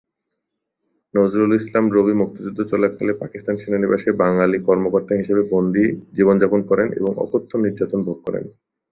নজরুল ইসলাম রবি মুক্তিযুদ্ধ চলাকালে পাকিস্তান সেনানিবাসে বাঙালি কর্মকর্তা হিসেবে বন্দি জীবনযাপন করেন এব অকথ্য নির্যাতন ভোগ করেন।